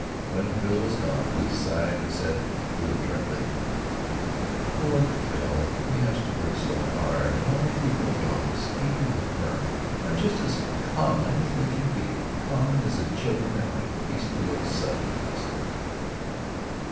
When Phil was gone Ruth sighed and said, belligerently: "Poor Phil, he has to work so hard, and all the people at his office, even the firm, are just as common as they can be; common as the children at my beastly old settlement house."